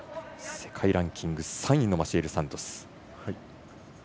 世界ランキング３位のマシエル・サントス。